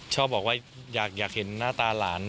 ชอบบอกว่าอยากเห็นหน้าตาหลาน